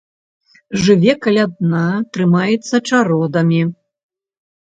Жыве каля дна, трымаецца чародамі.